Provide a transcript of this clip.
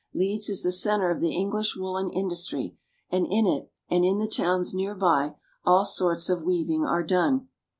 Leeds is the center of the English woolen indus { try, and in it and in the towns near by all sorts of weaving" are done.